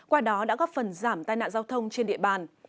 qua đó đã góp phần giảm tai nạn giao thông trên địa bàn